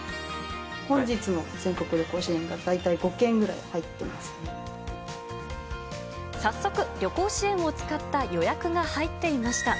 本日も全国旅行支援が大体５早速、旅行支援を使った予約が入っていました。